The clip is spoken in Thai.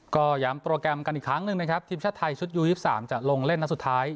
ก็ย้ำโปรแกรมกันอีกครั้งหนึ่งนะครับทีมชาติไทยชุดยู๒๓จะลงเล่นนัดสุดท้าย